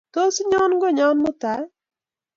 Tos inyo konyon mutai ii?